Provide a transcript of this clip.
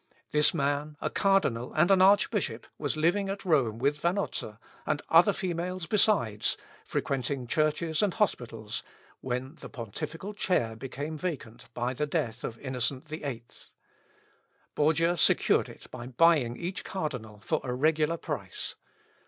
This man, a cardinal and an archbishop, was living at Rome with Vanozza, and other females besides, frequenting churches and hospitals, when the pontifical chair became vacant by the death of Innocent VIII. Borgia secured it by buying each cardinal for a regular price.